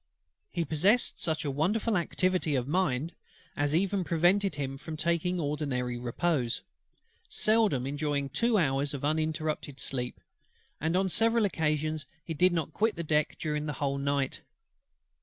He possessed such a wonderful activity of mind, as even prevented him from taking ordinary repose, seldom enjoying two hours of uninterrupted sleep; and on several occasions he did not quit the deck during the whole night.